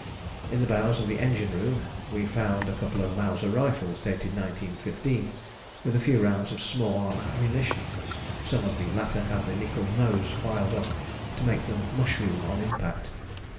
In the bows of the engine room we found a couple of Mauser rifles dated 1915, with a few rounds of small arm ammunition; some of the latter had the nickel nose filed off to make them "mushroom" on impact.